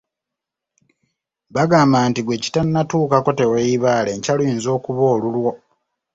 Bagamba nti gwe kitannatuukako teweeyibaala, enkya luyinza okuba olulwo.